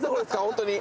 ホントに。